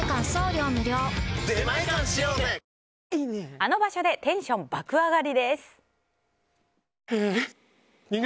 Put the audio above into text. あの場所でテンション爆上がりです。